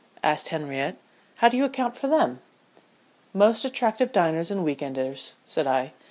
asked Henriette. "How do you account for them?" "Most attractive diners and weekenders," said I.